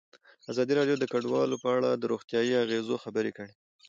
ازادي راډیو د کډوال په اړه د روغتیایي اغېزو خبره کړې.